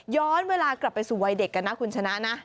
ย้อนเวลากลับไปสู่วัยเด็กกันนะคุณชนะนะ